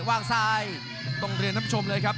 วางซ้ายตรงเรียนน้ำชมเลยครับ